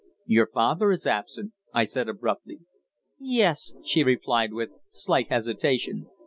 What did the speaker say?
"Your father is absent," I said abruptly. "Yes," she replied, with slight hesitation.